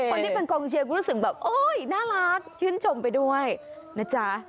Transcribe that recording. คนที่เป็นกองเชียร์ก็รู้สึกแบบโอ๊ยน่ารักชื่นชมไปด้วยนะจ๊ะ